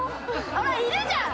「ほらいるじゃん！